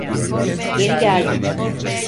Geri geldim.